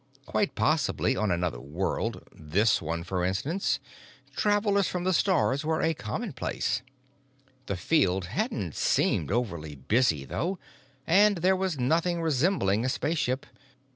Quite possibly on another world—this one, for instance—travelers from the stars were a commonplace. The field hadn't seemed overly busy, though; and there was nothing resembling a spaceship.